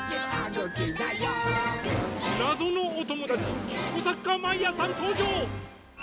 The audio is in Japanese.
なぞのおともだちコサッカーマイヤーさんとうじょう！